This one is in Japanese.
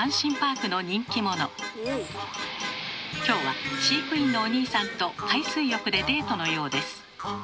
今日は飼育員のおにいさんと海水浴でデートのようです。